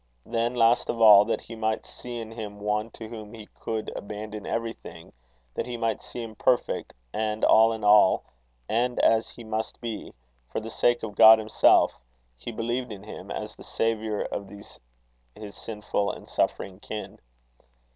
Then, last of all, that he might see in him one to whom he could abandon everything, that he might see him perfect and all in all and as he must be for the sake of God himself, he believed in him as the Saviour of these his sinful and suffering kin.